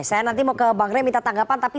saya nanti mau ke bang rey minta tanggapan tapi